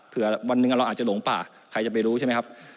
วันหนึ่งเราอาจจะหลงป่าใครจะไปรู้ใช่ไหมครับ